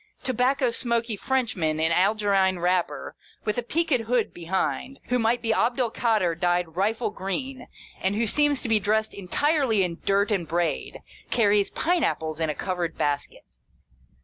To bacco smoky Frenchman in Algerine wrapper, with peaked hood behind, who might be Abd el Kader dyed rifle green, and who seems to be dressed entirely in dirt and braid, carries pine apples in a covered basket.